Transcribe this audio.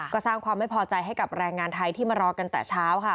ก็สร้างความไม่พอใจให้กับแรงงานไทยที่มารอกันแต่เช้าค่ะ